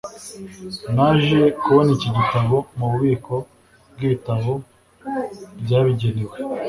naje kubona iki gitabo mububiko bwibitabo byabigenewe